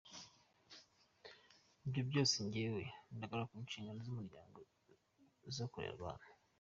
Ibyo byose njyewe ndagaruka ku nshingano z’umuryango zo kurera abana.